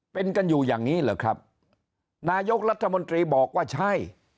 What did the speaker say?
เป็นกันอยู่อย่างนี้เหรอครับนายกรัฐมนตรีบอกว่าใช่